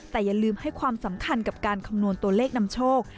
แต่อย่าลืมให้ความสำคัญกับการคำนวณตัวเลขนำโชค